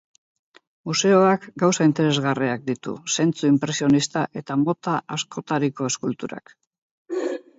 Museoak gauza interesgarriak ditu, zentzu inpresionista eta mota askotariko eskulturak.